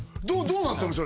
どうなったの？